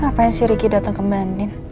ngapain si ricky dateng ke mbak andien